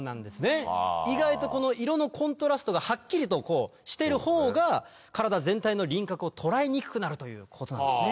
意外と色のコントラストがはっきりとしてるほうが体全体の輪郭を捉えにくくなるということなんですね。